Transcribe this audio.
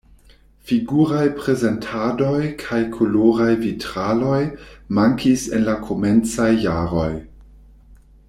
Figuraj prezentadoj kaj koloraj vitraloj mankis en la komencaj jaroj.